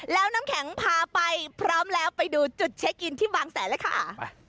แล้วน้ำแข็งพาไปพร้อมแล้วไปดูจุดเช็คอินที่บางแสนเลยค่ะ